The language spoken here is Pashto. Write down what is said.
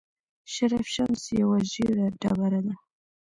شرف الشمس یوه ژیړه ډبره ده.